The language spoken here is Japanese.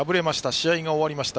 試合が終わりました。